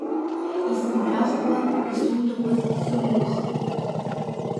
Исымҳәахкәа, исуҭақәаз сымухып!